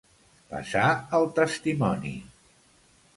Passar el testimoni.